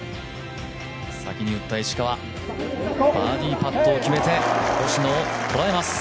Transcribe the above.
先に打った石川バーディーパットを決めて星野をとらえます。